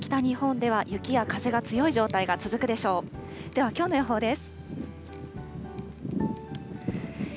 ではきょうの予報です。